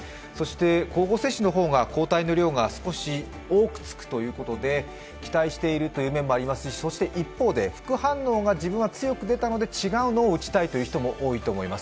交互接種の方が抗体の量が少し多くつくということで、期待しているという面もありますし一方で副反応が自分は強く出たので、違うのを打ちたいという人も多いと思います。